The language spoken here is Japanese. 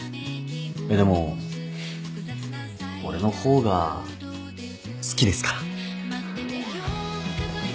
でも俺の方が好きですから。